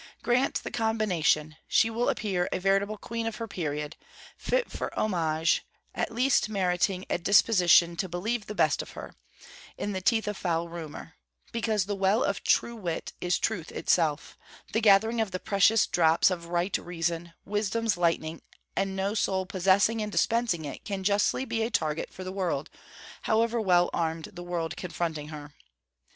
Grant the combination, she will appear a veritable queen of her period, fit for homage; at least meriting a disposition to believe the best of her, in the teeth of foul rumour; because the well of true wit is truth itself, the gathering of the precious drops of right reason, wisdom's lightning; and no soul possessing and dispensing it can justly be a target for the world, however well armed the world confronting her.